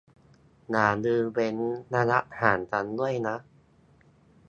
อย่าลืมเว้นระยะห่างกันด้วยนะ